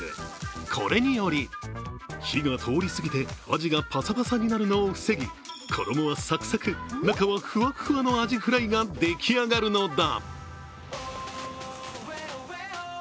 これにより火が通りすぎてアジがパサパサになるのを防ぎ衣はサクサク、中はフワフワのアジフライが出来上がるのだ。